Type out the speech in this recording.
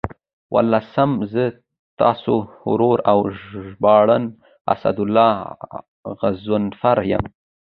والسلام، زه ستاسو ورور او ژباړن اسدالله غضنفر یم.